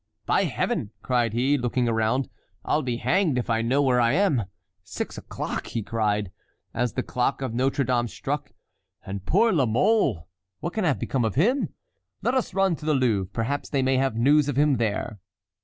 "By Heaven!" cried he, looking around. "I'll be hanged if I know where I am! Six o'clock!" he cried, as the clock of Notre Dame struck, "and poor La Mole, what can have become of him? Let us run to the Louvre, perhaps they may have news of him there."